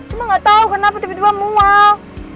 cuma nggak tahu kenapa tiba tiba mual